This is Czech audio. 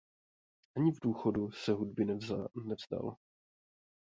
Ani v důchodu se hudby nevzdal.